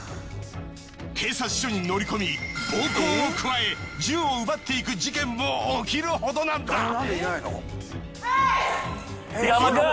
警察署に乗り込み暴行を加え銃を奪っていく事件も起きるほどなんだ。